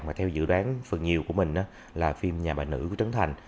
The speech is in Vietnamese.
mà theo dự đoán phần nhiều của mình là phim nhà bà nữ trấn thành